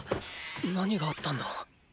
何があったんだ？